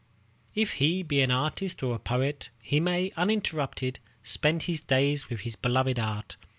If he be an artist or a poet, he may, uninterrupted, spend his days with his beloved art.